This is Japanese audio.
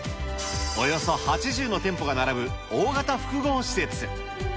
およそ８０の店舗が並ぶ大型複合施設。